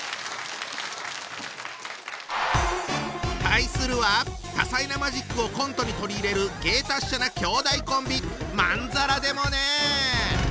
対するは多彩なマジックをコントに取り入れる芸達者な兄弟コンビ！